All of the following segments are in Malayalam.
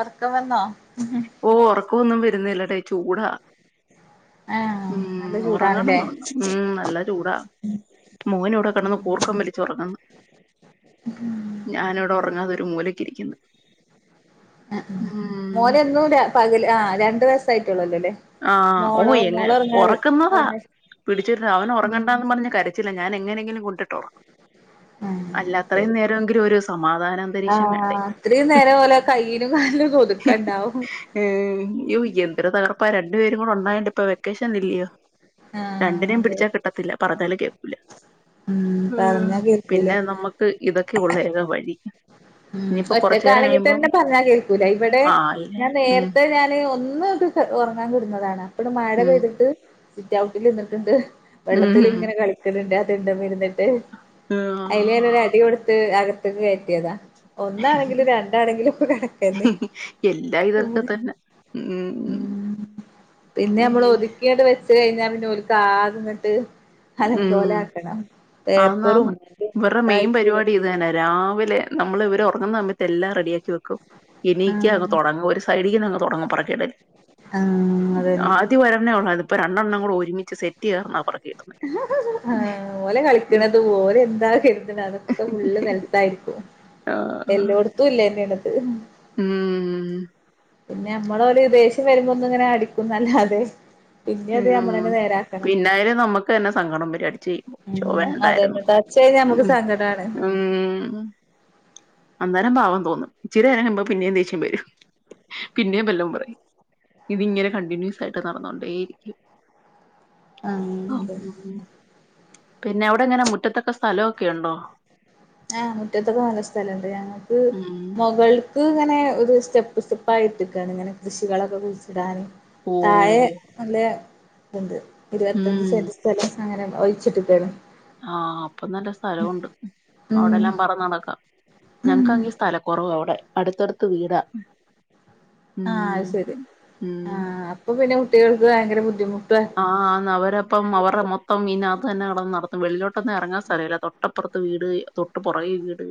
ഒർക്കം വന്നോ ഓഹ് ഒർ ക്കം ഒന്നും വരുന്നില്ലടെ ചൂടാ ആഹ് മ്മ് നല്ല ഉറങ്ങണം ചൂടാണ്ല്ലേ [unintelligible] ഉം നല്ല ചൂടാ മോനിവിടെ കിടന്ന് കൂർക്കം വലിച്ചു ഉറങ്ങുന്നു ആഹ് ഞാനിവിടെ ഉറങ്ങാതെ ഒരു മൂലക്ക് ഇരിക്കുന്നു അഅഹ് മോനെന്നും ര പകല് ആഹ് രണ്ട് ദിവസായി ആഹ് ഓഹ് എങ്ങ് ഉറക്കുന്നതാ ഒറങ്ങ പിടിച്ചിട്ട് അവനൊറങ്ങണ്ടാന്ന് പർഞ്ഞ് കരച്ചില ഞാൻ എങ്ങനെങ്കിലും കൊണ്ടിട്ട് ഉറക്കും അല്ല ആഹ് അത്രയും ശരി നേരവെങ്കിലും ഒരു സമാധാനന്തരീക്ഷം വേണ്ടേ ആഹ് ഇത്രയും നേരം ഓലെ കയ്യിലും കാലിലും ഒതുക്കണ്ടാവും യ്യോ യന്തൊരു തകർ രണ്ടു പേരും കൂടെ ഉണ്ടായിണ്ട് ഇപ്പ വെക്കേഷൻ ഇല്ലിയോ ആഹ് രണ്ടിനേം അതെ പിടിച്ചാ കിട്ടത്തില്ല പറഞ്ഞാല് കേക്കൂല ഉം മ്മ് പറഞ്ഞാ കേക്കൂല പിന്നെ നമ്മക്ക് ഇതൊക്കെ ഒള്ളു ഏക വഴി മ്മ് ഇനിയിപ്പോ കൊറച്ചേരം ഒറ്റക്കാണെങ്കി കഴിയുമ്പം തന്നെ പറഞ്ഞാൽ കേക്കൂല ഇവിടെ ആയില്ല ഞാൻ ഉം നേരത്തെ ഞാന് ഒന്ന് ഉറങ്ങാൻ കിടുന്നതാണ് ഇവടെ മഴ ഉം പെയ്തിട്ട് സിറ്റൗട്ടിൽ നിന്നിട്ട്ണ്ട് ഉം വെള്ളത്തിലിങ്ങനെ കളിക്കണ് ണ്ട് ണ്ട് വര്ന്ന്ണ്ട് അയില് ഞാനൊരു ആഹ് അടി കൊടുത്ത് അക കത്തക്ക് കേറ്റിയതാ ഒന്നാണെങ്കിലും രണ്ടാണെങ്കിലും കണക്കന്നെ എല്ലാ ഉം ഇതൊക്കെ തന്നെ ഉം പിന്നെ നമ്മള് അയ്യോ ഒതുക്കീയട് വെച്ച് എ കഴിഞ്ഞാ പിന്നെ ഓൽക്ക് ആകെങ്ങിട്ട് ഉം പേപ്പറും ആന്നാന്ന് അതും ഇവറെ മെയിൻ മുട്ടായിക്കൂട പരിപാടി ഇതന്നാ രാവിലെ നമ്മള് ഇവർ ഉറങ്ങുന്ന സമയത്ത് എല്ലാം റെഡിയാക്കി വെക്കും കും എണീക്ക അങ്ങ് ആഹ് തുടങ്ങും ഒരു സൈഡീന്ന് അങ്ങ് തുടങ്ങും പുറകേ വരും ആഹ് അതന്നെ ആതി വര്ന്ന ഓള് അട് ഇപ്പോൾ രണ്ടെണ്ണം കൂടെ ഒരുമിച്ച് സെറ്റ് ചേർന്ന പെർക്കിയത് ആ ഓലെ കളിക്കണത് ഓല് എന്താ കരുത്ണ അതൊക്കെ ഫുള്ള് നിലത്തായിരിക്കും ആഹ് എല്ലോട്ത്തും ഇള്ളന്നെ എന്നിട്ട് ഉം പിന്നെ നമ്മളോല് ദേഷ്യം വരുമ്പോ ഒന്ന് ഇങ്ങനെ അടിക്കുംന്നല്ലാതെ ഉം പിന്നായാല് നമ്മക്ക് ക്ക് തന്നെ സങ്കടം വരും അടിച്ചെയ്ഞാൽ ച്ചോ ഉം വേണ്ടായിരുന്നു അതന്നെ ടച്ച് കഴിഞ്ഞാ നമുക്ക് ഉം സങ്കടാണ് ഉം അന്നേരം പാവം തോന്നും ഇച്ചിരി നേരം കയ്യുമ്പ പിന്നേം ദേഷ്യം വരും പിന്നേം ബല്ലോം പറയും ഇതി ഇങ്ങനെ കണ്ടിന്യൂസ് ആയിട്ട് നടന്നോണ്ടേ ഇരി ക്യും ആ അതെന്നെ പിന്നെ അവിടെങ്ങന മുറ്റത്തൊക്കെ സ്ഥലവൊക്കെ ഒണ്ടോ ആഹ് മുറ്റത്തൊക്കെ നല്ല സ്ഥലൊണ്ട് ഞങ്ങക്ക് ഉം മുകൾക്ക് ഇത് ഇങ്ങനെ ഒരു സ്റ്റെപ്പ് സ്റ്റെപ്പായിട്ടാക്കാണ് ഇങ്ങനെ കൃഷികളൊക്കെ കുഴിച്ചിടാൻ ഓ തായെ അല്ലേ ഉണ്ട് ഇരുപത്തഞ്ച് ഉം സെന്റ് സ്ഥലം അങ്ങനെ ഒഴിച്ചിട്ട് തരും ആ അപ്പൊ നല്ല സ്ഥലൊണ്ട് ഉം അവിടെല്ലാം പറന്ന് നടക്കാം ഉം ഞങ്ങൾക്ക് ആണെങ്കിൽ സ്ഥല കുറവ് അവിടെ. അടുത്തടുത്ത് വീടാ. ഉം ആഹ് അത് ശരി ഉം ആഹ് അപ്പൊ പിന്നെ കുട്ടികൾക്ക് ഭയങ്കര ബുദ്ധിമു [unintelligible] ആഹ് അന്ന് അവര് അപ്പം അവരുടെ മൊത്തം ഇന തന്നെ നടന്നു നടത്തും വെളിലോട്ടൊന്നും ഇറങ്ങാൻ സ്ഥലമില്ല, തൊട്ടപ്പുറത്ത് വീട് തൊട്ട് പുറകെ വീട്.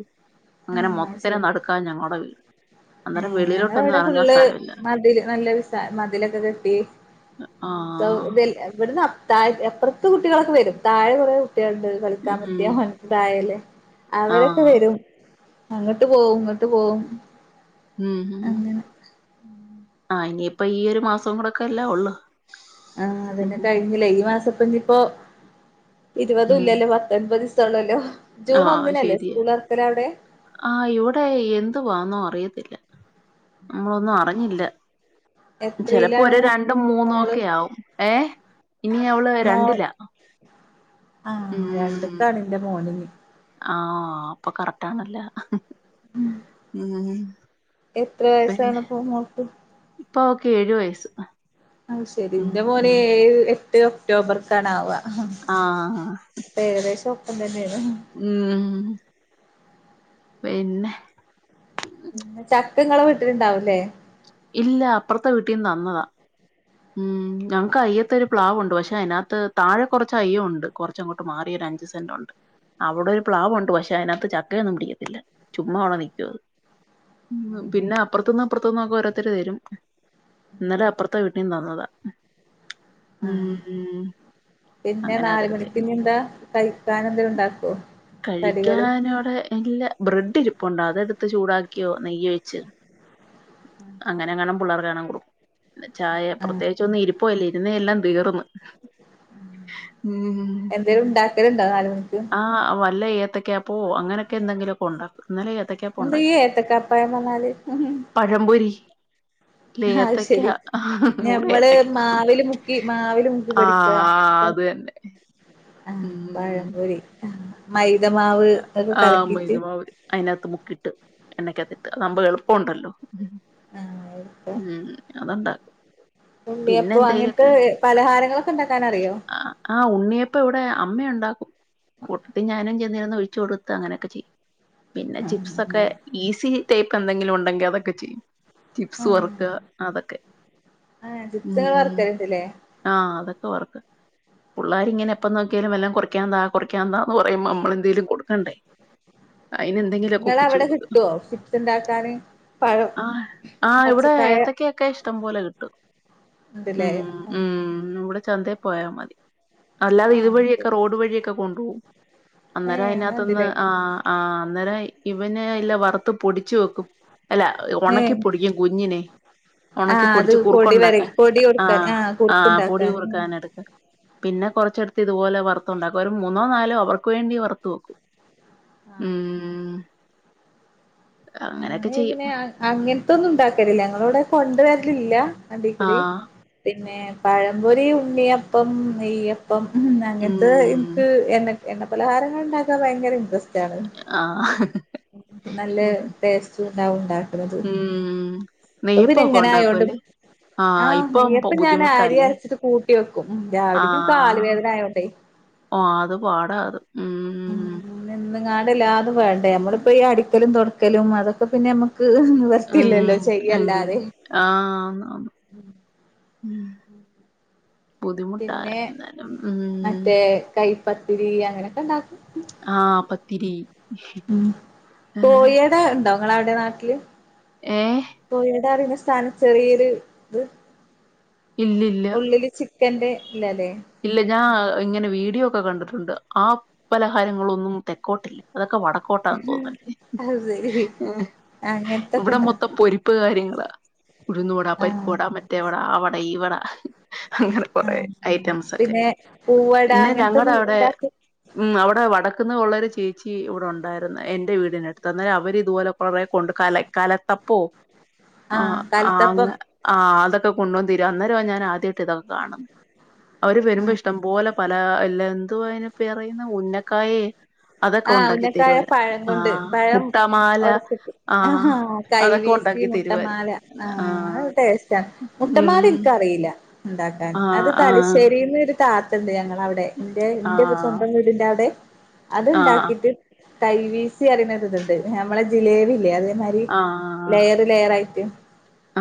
അങ്ങനെ ആഹ് മൊത്തത്തിനെ ശരി നടുക്കാ ഞങ്ങളുടെ വീട് അന്നേരം ഏഹ് വെളിയിലോട്ടൊന്നും ഞങ്ങളവിടെ ഇറങ്ങാൻ ഫുള്ള് സ്ഥലമില്ല മതില് നല്ലരസ മതിലൊക്കെ കെട്ടി ആ തൊ തില് ഇവിടുന്ന. താഴെ അപ്പുറത്ത് കുട്ടികളൊക്കെ വരും താഴെ കൊറെ കു ട്ടികളുണ്ട് കളിക്കാൻ ഉം പറ്റിയ വലുതായത്. ആ അവരൊക്കെ വരും. അങ്ങോട്ട് പോവും ഇങ്ങോട്ട് പോവും. ഉം അങ്ങനെ ആഹ് ഇനിയിപ്പ ഈ ഒരു മാസം കൂടെ ഒക്കെ അല്ലെ ഉള്ളൂ. ആഹ് അതെന്നെ കഴിഞ്ഞില്ലേ ഈ മാസം. ഇനിയിപ്പോ ഇരുപതും ഇല്ലല്ലേ പത്തൊൻപത് ദിവ തോനുവല്ലോ ആഹ് ആഹ് അത് ശരിയാ ആഹ് ഇവിടെ എന്ത് വാന്നോ അ റിയത്തില്ല. നമ്മളൊന്നും അറിഞ്ഞില്ല ചെലപ്പോ എത്രയിലാണ് ഒരു രണ്ടും മൂന്നും മോള് ഒക്കെ ആവും ഏ ഇനി അവള് മോൾ രണ്ടിലാ ആഹ് രണ്ട്ക്കാണ് ൻ്റെ മോനെനി. ആഹ് അപ്പൊ കറക്റ്റാണല്ലോ ഉം എത്ര വയസ്സാണിപ്പോ മോൾക്ക്? ഇപ്പ ഓക്ക് ഏഴു വയസ്സ്. അത് ശരി ഉം ൻ്റെ മോന് ഉം ഏഴ് എ എട്ട് ഒക്ടോബർക്കാണ് ആവാ ആഹ് ആഹ് ആഹ് അപ്പൊ ഏകദേശം ഒപ്പം തന്നെയാണ്. ഉം പിന്നെ പിന്നെ ചക്കങ്ങളെ വീട്ടില്ണ്ടാവു ല്ലേ? ഇല്ല അപ്പുറത്തെ വീട്ടീന്ന് തന്നതാ, ഉം ഞങ്ങക്ക് അയ്യത്ത് ഒരു പ്ലാവുണ്ട്, പക്ഷെ അതിനാത്ത് താഴെ കൊറച്ച് അയ്യണ്ട് കുറച്ചങ്ങോട്ട് മാറി ഒരു അഞ്ചു സെന്റുണ്ട്, അവിടെ ഒരു പ്ലാവുണ്ട്, പക്ഷെ അതിനാത്ത് ചക്കയൊന്നും പിടിക്കത്തില്ല, ചുമ്മാ അവിടെ നിക്കാ. ഉം പിന്നെ അപ്പറത്തൂന്നും ഇപ്പറത്തൂന്നൊക്കെ ഓരോ ഇന്നലെ അപ്പുറത്തെ വീടിന് തന്നതാ ഉം ആഹ് അങ്ങനെ പിന്നെ അങ്ങനെ ആ അത്‌ നാല് എടുത്തേ മണിക്ക് ഇനി എന്താ കഴിക്കാൻ എന്തേലും ഉണ്ടാക്കോ കടികള് കഴിക്കാനോടെ എല്ലാ ബ്രെഡിലും ഇ അപ്പം ഉണ്ട് അതെടുത്ത് ചൂടാക്കിയോ നെയ്യ് ഒഴിച് അങ്ങനെങ്ങണം പിള്ളേ കാണാൻ കൊടുക്കും ചായ ആഹ് പ്രത്യേകിച്ച് ഒന്നും ഇരിപ്പല്ല ഇരുന്നേ എല്ലാം തീർന്ന് മ് എന്തേലും ഉണ്ടാക്കലുണ്ടോ നാല് മണിക്ക് ആ വല്ല- ഏത്തക്കഅപ്പോ അങ്ങനൊക്കെ എന്തെിലൊക്കെ ഉണ്ടാക്കും ഇന്നലെ ഏത്തക്കാപ്പം അന്ത ഉണ്ടാക്കി യത്ത കപ്പായ നാല് [unintelligible] ഏത്തക്കാ കൂടെ ഞമ്മള് ഏത്തക്ക മാവില് മുക്കി മാവില് മുക്കി ആ അത് തന്നെ ആ ഉം പഴംപൊരി മൈദ മൈദമാവ് അതൊക്കെ കലക്കിട്ട് അ മുക്കിയിട്ട് എണ്ണയ്ക്കകത്തിട്ട് അതാകുമ്പോ എളുപ്പമുണ്ടല്ലോ ആഹ് ഉം അതണ്ടാ പിന്നെ ഉണ്ണിയപ്പം അങ്ങനത്തെ എന്തേലൊക്കെ പലഹാരങ്ങളൊക്കെ ഉണ്ടാക്കാൻ അറിയോ ആ ഉണ്ണിയപ്പം ഇവിടെ അമ്മയു ണ്ടാക്കും കൂട്ടത്തി ഞാനും ചെന്നിരു- ഒഴിച്ചു കൊടുത്ത് അങ്ങനെയൊക്കെ ചെയ്യും പിന്നെ ആഹ് ചിപ്സൊക്കെ അങ്ങനെ ഈസി തേപ്പ് എന്തെങ്കിലും ഉണ്ടെങ്കി അതൊക്കെ ചെയ്യും ചിപ്സ് ആഹ് വറക്കാ അതൊക്കെ ആഹ് ചിപ്സ് ഇങ്ങള് ഉം വറക്കലുണ്ട്ല്ലേ ആഹ് അതൊ [unintelligible] പുള്ളാര് ഇങ്ങനെ എപ്പ നോക്കിയാലും വെല്ലോ കൊറിക്കാൻ താ കൊറിക്കാൻന്താന്ന് പറയുമ്പോ നമ്മള് എ എന്തേലും കൊടുക്കണ്ടേ? അയിന് എന്തെങ്കിലൊക്കെ നിങ്ങളെ ഒപ്പിച്ചു അവിടെ [unintelligible] കിട്ടുവോ ചിപ്സ് ഉണ്ടാക്കാന് പഴം ആഹ് ആഹ് ഇവടെ പച്ചക്കായ ഏത്തക്കെയൊക്കെ ഇഷ്ടം പോലെ കി ട്ടും ഉണ്ട് ല്ലേ ആഹ് ചന്തേ പോയാ മതി അല്ലാതെ ആഹ് ഇതുവഴിയൊക്കെ ശരി റോഡ് വഴിയൊക്കെ കൊണ്ട് പോവും അന്നേരം ഏഹ് അങ്ങനെ അതിനാത്തിന്ന് ഉണ്ട്ല്ലേ ആഹ് ആഹ് അന്നേരം ഇവന് ഇല്ല വറുത്ത് പൊടിച്ചു വെക്കും, അല്ല ഏഹ് ഒണക്കിപ്പൊടിക്കും കുഞ്ഞിനെ, ആഹ് അത് ഒണക്കിപ്പൊടിച്ച് പൊടി വര കുറുക്കുണ്ടാക്കാൻ പൊടി കൊടുക്കാൻ ആഹ് ആ പൊടി കുറുക്കുണ്ടാക്കാൻ ഉം കുറുക്കാൻ എടുക്കാ, പിന്നെ കൊറച്ചെടുത്ത് ഇതുപോലെ വറത്തുണ്ടാക്കും ഒരു മൂന്നോ നാലോ അവ ക്ക് വേണ്ടി വറത്തു വെക്കും ആഹ് ഉം അങ്ങനെയൊക്കെ ചെയ്യും ഞങ്ങളിങ്ങനെ അഹ് അങ്ങൻത്തൊന്നും ഇണ്ടാക്കലില്ല ഞങ്ങളെ ഇവടെ കൊണ്ടുവര ലില്ല അടിക്കൂടി ആഹ് [unintelligible] പിന്നെ പഴംപൊരി ഉണ്ണിയപ്പം നെയ്യ പ്പം അങ്ങൻത്തെത് ഉം ഇൻക്ക് എണ്ണെ എണ്ണ പലഹാരങ്ങള്ണ്ടാക്കൻ ഭയങ്കര ഇൻട്രസ് ആഹ് നല്ല ടേസ്റ്റ് ഉണ്ടാവും ണ്ടാവും അത് ഉം ഇപ്പ പിന്നെ നെയ്യപ്പൊക്കെ ഇങ്ങനെ ആയോണ്ട് ഉണ്ടാക്കൂല്ലേ ആ ആഹ് ഇപ്പൊ ബു- നെയ്യപ്പം ഞാന് അരി ബുദ്ധിമുട്ടല്ലേ അര്ച്ച്ട്ട് കൂട്ടി വെക്കും ഉം രാവിലെക്ക് കാല് ആഹ് വേദനായോണ്ടെ ഓ അത് പാടാ അത് ഉം [unintelligible] ങ്ങാടല്ലാതെ വേ ണ്ട ഞമ്മളിപ്പോ ഈ അടിക്കലും തൊട ക്കലും അതൊക്കെ പിന്നെ ഞമ്മ ഉം അങ് ആഹ് ബുദ്ധിമുട്ടാ പിന്നെ ന്നാലും ഉം പത്തിരി അങ്ങനെ ക്കെണ്ടാക്കും ഇത്തിരി ഉം കോഴിയവിടെ ഉണ്ടോ നിങ്ങളെവിടെയാ നാട്ടില് ഏഹ് പോയ [unintelligible] [unintelligible] ചെറിയൊരു ഇത് ഇല്ലില്ല എന്തേ ഇല്ല ഞാൻ ഇങ്ങനെ വീട്ടിൽ ഡിയോ ഒക്കെ കണ്ടിട്ടുണ്ട് ആ പലഹാരങ്ങളൊന്നും തെക്കോട്ടില്ല അതൊക്കെ ഒക്കെ വടക്കോട്ടാന്ന് തോന്നുന്ന് അല്ലേ അത് ശരി അങ്ങനത്തൊക്കെ ഇവിടെ ഇണ്ടാക്കും മൊത്തം പൊരിപ്പ് കാര്യങ്ങളാ ഉഴുന്നാ വട ആഹ് പരിപ്പുവട മറ്റേ വട ആ വട ഈ വട അങ്ങനെ കുറേ ആഹ് ഐ ആഹ് ഒക്കെ പിന്നെ പൂവട പിന്നെ ഞങ്ങടെ അങ്ങനത്തൊന്നും അവിടെ ഇണ്ടാക്കി ഉം അവിടെ വടക്കുന്നുള്ള ഒരു ചേച്ചി ഇവിടെ ഉണ്ടായിരുന്നു എന്റെ വീടിനടുത്ത് അന്നേരം അവര് ഇതുപോലെ കൊറെ കൊണ്ട് കല കലത്തപ്പോം ആഹ് അങ്ങ് ആഹ് അതൊ ഒക്കെ കൊണ്ടുന്നു തരും അന്നേരമാ ഞാൻ ആദ്യായിട്ട് ഇതൊക്കെ കാണുന്നെ അവര് വരുമ്പോ ആഹ് ഇഷ്ടം പോലെ പല ഇല്ല എന്ത് എന്തുവാ അതിനു പെറയുന്നെ ഉന്നക്കായയേ ആഹ് ഉന്നക്കായ പഴം കൊണ്ട് പഴം മുട്ടാമാല ഒടച്ചിട്ട് ആ ആഹ് അതൊക്കെ കൈവീസി ഉണ്ടാക്കി തരുവായിരുന്നു മുട്ടമാല ആ ടേസ്റ്റ് ആണ് മുട്ടമാല ഉം എനിക്കറിയില്ല ഉണ്ടാക്കാൻ ആ അത് ആ തലശ്ശേരിന്ന് ഒരു താ എന്ത് ചെയ്യാന അവിടെ എന്റെ എന്റെ സ്വന്തം വീടിന്റെ അവിടെ ആ അതുണ്ടാക്കിട്ട് കൈവീസി അറിയതുണ്ട് നമ്മളെ ജിലേബില്ലേ അത് അ ആ ആ ലെയർ ലെയർ ആയിട്ടും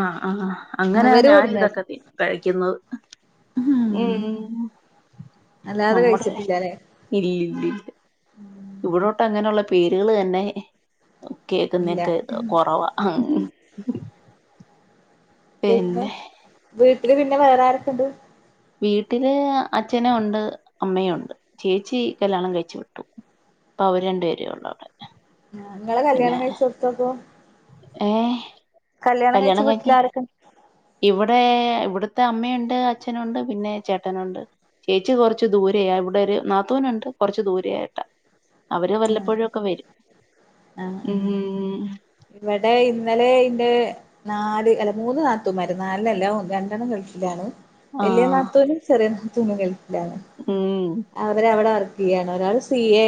ആഹ് ആഹ് അങ്ങനെ ഞാൻ ഇതൊക്കെ തിന്ന കഴിക്കുന്നത് ഉം അല്ലാതെ നമ്മുടെ കഴിച്ചിട്ടില്ലല്ലേ ഇല്ലല്ലല്ല ഇവിടോട്ട് അങ്ങനെയുള്ള പേരുകൾ തന്നെ കേക്കു ഇല്ല ന്നൊക്കെ കൊറവാ പിന്നെ വീട്ട ൽ പിന്നെ വേറെ ആരൊക്കെ ഉണ്ട് വീട്ടില് അച്ഛനും ഉണ്ട് അമ്മയയും ഉണ്ട് ചേച്ചി കല്യാണം കഴിച്ചു വിട്ടു അപ്പ അവര് രണ്ടു പേരേ ഉള്ളു അവിടെ ആ നിങ്ങളെ പിന്നെ കല്യാണം കഴിച്ചടുത്തപ്പോ ഏഹ് കല്യാണം കഴിച്ച് വീട്ടില്ൽ ആരൊക്ക ഇവിടെ ഇവിടത്തെ അമ്മയുണ്ട് അച്ഛനുണ്ട് പിന്നെ ചേട്ടനണ്ട് ചേച്ചി കുറച്ച ദൂര ഇവിടെ ഒരു നാത്തൂനുണ്ട് കൊറച്ച ദൂരായിട്ടാ ആ ആ ഉം ഇവിടെ ഇന്നലെ ഇന്റെ നാല് അല്ല മൂന്ന് നാത്തമാര് നാല്ല്ലേ രണ്ടെണ്ണം ഗൾഫിലാണ് വലിയ ആഹ് നാത്തൂനും ചെറിയ നാത്തൂനും നാത്തൂനുകൾ ഉം അവരെ അവിടെ വർക്ക് സി എ ആണ് ഒരാൾ സി എ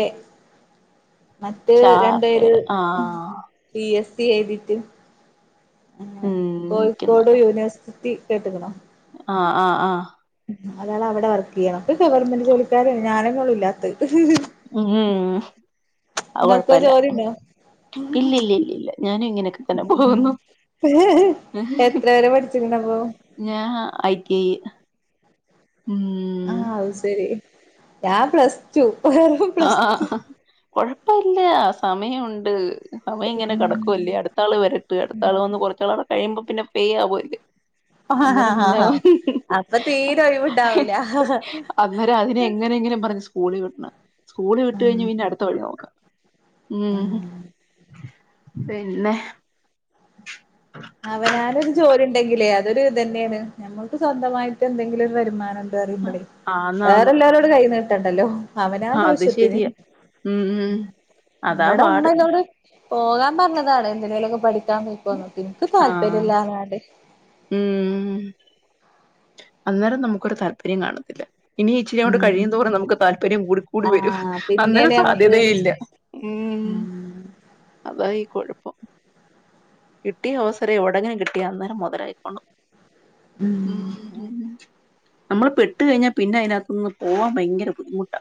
മറ്റേ രണ്ടുപേരും ചാർട്ടേഡ് ആഹ് പി എസ് എഴ്തിട്ട് ആ ഉം ക്കുന്ന കോഴിക്കോട് യൂണിവേഴ്സിറ്റി ട്ടി കേട്ടുക്ക്ണോ ആ ആ ആ ഒരാളെ അവിടെ വർക്ക് ചെയ്യാ ഒക്കെ ഗവൺമെന്റ് ജോലിക്കാര ഞാനെന്നെള്ളൂ ഇല്ലാത്ത ഉം ഉം അ ഇങ്ങക്കോ കൊഴപ്പല്ല ജോലിണ്ടോ ഇല്ലല്ല ഇല്ലല്ല ഞാനും ഇങ്ങനൊക്കെ തന്നെ പോകുന്നു എത്ര വരെ പഠിച്ചിക്കണപ്പൊ ഞാൻ ഐ ടി ഐ ഉം ആ അയ് ശരി ഞാൻ പ്ലസ് ടു വെറും ആ പ്ലസ് ടു ആ. കൊഴപ്പല്ല സമയമുണ്ട്. സമയംഇങ്ങനെ ഉം കിടക്കുവല്ലേ അടുത്താള് വരട്ട് അടുത്തആള് വന്ന് കുറച്ചാൾ അവ കഴിയ്പോ പിന്നെ. പെയ്യാ പോയിത്. ആ ഹാ അപ്പൊ തീരെ ഒഴിമുണ്ടാവൂല. അന്നേരം സ്കൂളിൽ വിടണം. സ്കൂള് വിട്ട് കഴിഞ്ഞ് അടുത്ത പിന്നെ വഴി നോക്ക ഉം പിന്നെ. അവനാരു ജോലി. ഉണ്ടെങ്കിലേ അതൊരു ഇത് തന്നെയാണ് നമ്മക്ക് സ്വന്തമായിട്ട് എന്തെങ്കിലും ഒരു വരുമാനം. ആന്നാന്ന് വേറെ എല്ലാരോടും കൈ നീ. ട്ടണ്ടല്ലോ. അവനവന് അത് ആവിഷത്തിന് ശെരിയാ. ഉം ഉം അതാ ഇവിടെ പാട്. ഉമ്മന്നോട്. പോകാൻ പറഞ്ഞതാണ് എന്തെങ്കിലും ഒക്കെ പഠികാൻ. എനിക്ക് താല്പര്യം ആഹ് ഇല്ലാർഞ്ഞാണ്ട്. ഉം. അന്നേരം നമുക്കൊരു താല്പര്യം കാണത്തില്ല. ഇനി ഇച്ചിരിയും കൊണ്ട് ഉം കഴിയുന്നോറെ നമുക്ക് താല്പര്യം കൂടി കൂടി വരു ആഹ് അന്നരെ പിന്നേണ് നമുക്ക് സാധ്യതയ ഇല്ല ഉ ഉം അതാ ഈ കുഴപ്പം കിട്ടിയ അവസരം എവിടെങ്കിലും കിട്ടിയ അന്നേരം മുതലാക്കിക്കോണം. ഉം. നമ്മള് പെട്ട് കഴിഞ്ഞാൽ പിന്നെ അതിനകത്തു നിന്ന് പോകാൻ ഭയങ്കര ബുദ്ധിമുട്ടാ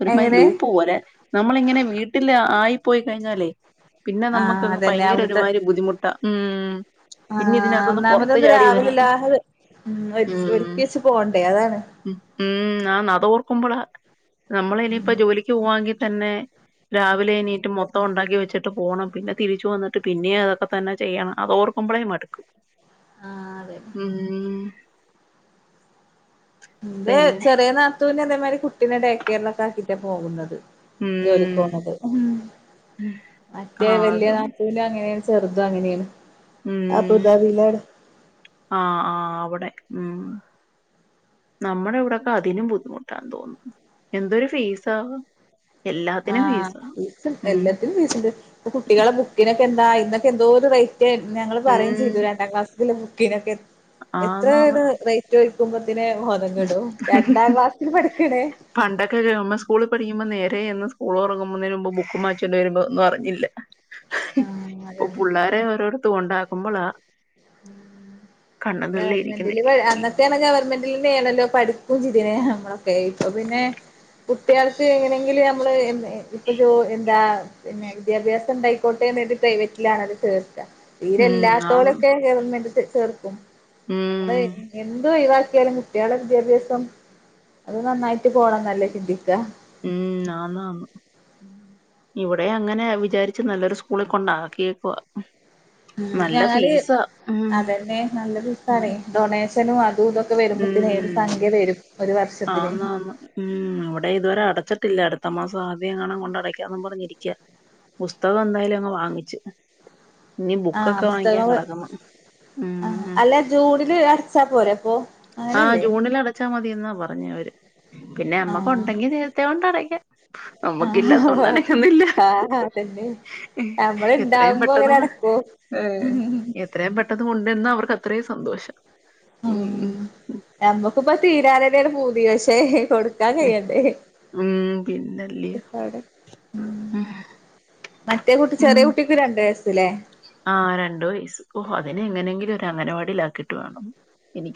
ഒരുമാതിരി എങ്ങനെ ലൂപ്പ് പോലെ. നമ്മളിങ്ങനെ വീട്ടില് ആയി പോയി കഴിഞ്ഞാലേ. പിന്നെ നമ്മുക്കങ്ങ് ഭയങ്കര ഒരുമാതിരി. ബുദ്ധിമുട്ടാ. ഉം ആ പിന്നെ ഇതിനകത്തൊന്ന് പുറത്ത് ഒന്നാമതന്ന് ചാടി രാവിലെ വരാൻ എല്ലാം കൂടെ ഉ ഉം ഒരുക്കി വെച്ച് പോവണ്ടേ അതാണ്. ഉം ആണ് അത് ഓർക്കുമ്പോളാ. നമ്മള് ഇനിയിപ്പോ ജോലിക്ക് പോകുവാണെങ്കിൽ തന്നെ രാവിലെ എണീറ്റ് മൊത്തം ഉണ്ടാക്കി വെച്ചിട്ട് പോണം പിന്നെ തിരിച്ച് വന്നിട്ട് പിന്നെയും അത് ഒക്ക തന്നെ ചെയ്യണം അത് ഓർക്കുമ്പോളേ മടുക്കും. ആഹ് അതെ ഉം എന്റെ പിന്നെ ചെറിയ നാത്തുനെ. കുട്ടിനെ ഡെകേറിൽ ഒക്കെ ആക്കിട്ടാ പോകുന്നത്. ജോലിക്ക് പോന്നത് മറ്റേ ആഹ് വലിയ അതും നാത്തൂനും അങ്ങനെ ആണ്. ചെറുതാ അങ്ങനെയാണ് അബുദാബിയിലാണ് നമ്മുടെ ഇവിടെൊക്കെ അതിനും ബുദ്ധിമുട്ടാന്ന് തോന്നുന്നു എന്തൊരു ഫീസാ എല്ലാത്തിനും ഫീസാ. ആഹ് എല്ലാത്തിനും ഇണ്ട് കുട്ടികളെ ബുക്കിനൊക്കെ എന്താ വില [unintelligible] എന്തൊരു ഞങ്ങള് പറയെം ചെയ്തു രണ്ടാം ക്ലാസില് [unintelligible] ആന്നാന്ന്. എത്രയാണ് റേറ്റ് ചോദിക്കുമ്പോത്തിന് ബോധം കെടും രണ്ടാം ക്ലാസ്സിൽ പഠിക്കണേ പണ്ടൊക്കെ ഗവണ്മെന്റ് സ്കൂളിൽ പഠിക്കുമ്പോ നേരെ എന്ന് ഓളോറങ്ങുന്നേനു മുൻപ് ബുക്ക് വാങ്ങിച്ചോണ്ട് വരുമ്പോ ഒന്നും അറിഞ്ഞില്ല ആഹ് ഇപ്പൊ അതന്നെ പിള്ളാരെ [unintelligible] ഉണ്ടാക്കുമ്പോളാ [unintelligible] ഇരിക്കുന്നേ മെന്റില് അന്നത്തെയണ് ഗവർമെന്റിൽ വേണല്ലോ പടുപ്പും ചിതിനെ നമ്മളൊക്കെ ഇപ്പോ പിന്നെ കുട്ടികൾക്ക് എങ്ങനെങ്കിലും നമ്മള് എ ഇപ്പൊ ജോ എന്താ പിന്നെ വിദ്യാഭ്യാസം ഉണ്ടായിക്കോട്ടെ ന്നരുതി പ്രൈവറ്റിലാണത് ചേർത്ത തീരെ ഉം ഇല്ലാത്തോള് ആന്ന് ഗവൺമെന്റില്ചേർക്കും നമ്മള് ഉം എന്തുവാ ഇവ ഒലും കുട്ടികള വിദ്യാഭ്യാസം അത് നന്നായിട്ട് പോകണം നല്ല ഉം ആന്ന് ആന്ന് ഇവിടെ അങ്ങനെ വിചാരിച്ച് നല്ലൊരു സ്കൂള കൊണ്ടാക്കിയക്ക ഉ ഞങ്ങള് അതന്നെ നല്ലൊ ഉം ഫിസണേ ഡൊണേ തനുവ ഉം ഒരു വർഷത്തിന് ആന്ന് ആന്ന് ഉ ഇവിടെ ഇതുവരെ അടച്ചിട്ടില്ല അത്തമാസം ആദ്യം എങ്ങനും കൊണ്ടടയ്ക്കും പറഞ്ഞിരിക്ക പുസ്തകം എന്തായാലും അങ്ങ് വാങ്ങിച്ചു ആഹ പുസ്തകം ആ ഉം അല്ല ജൂണില് അടച്ചാ പോരെ അപ്പൊ ആഹ് അങ്ങനല്ലേ ജൂണിൽ അടച്ചാ മതി എന്നാ പറഞ്ഞു അവര് പിന്നെ അമ്മക്ക് ആഹ് ഉണ്ടെങ്കി നേരത്തെ കൊണ്ട് അടക്കാം ആഹ് നമ്മക്കില്ലത്തൊണ്ടനക്കുന്നില്ല ആഹ് അതന്നെ നമ്മള് എത്രയും ഇണ്ടാവുമ്പോ അങ്ങനെ അടക്കൂ പെട്ടെന്ന്ഏ എത്രയും പെട്ടെന്ന് എന്ന അവർക്ക് അത്രയും സന്തോഷം ഉം നമ്മുക്കിപ്പ തീരതരയുടെ പൂതിയ സഹ [unintelligible] കൊടുക്കാൻ കഴിയണ്ടേ ഉം പിന്നല്ലയോ മറ്റേ കുട്ടി ചെറിയ കുട്ടിക്ക് രണ്ട് വയസ്സ് ഇല്ലേ ആ രണ്ടു വയസ്സ് ഓ അതിനെങ്ങനെങ്കിലുരു അങ്ങനവാടിലാക്കിട്ട് വേണം എനിക്ക്